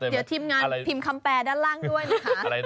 เดี๋ยวทีมงานพิมพ์คำแปลด้านล่างด้วยนะคะ